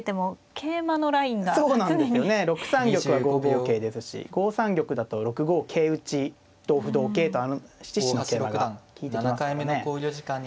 ６三玉は５五桂ですし５三玉だと６五桂打ち同歩同桂とあの７七の桂馬が利いてきますからね。